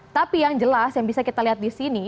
tapi yang jelas yang bisa kita lihat di sini